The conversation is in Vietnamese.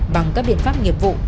bằng các biện pháp nghiệp vụ